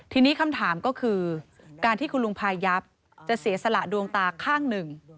ทีนี้คำถามก็คือการที่คุณลุงพายับจะเสียสละดวงตาข้างหนึ่ง